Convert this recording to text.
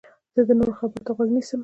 زه د نورو خبرو ته غوږ نیسم.